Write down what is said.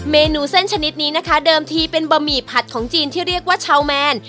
เมนูเส้นชนิดนี้นะคะเดิมทีเป็นบะหมี่ผัดของจีนที่เรียกว่าชาวแมน